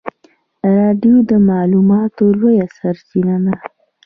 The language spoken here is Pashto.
رادیو د معلوماتو لویه سرچینه ده.